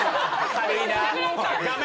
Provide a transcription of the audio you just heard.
軽いな。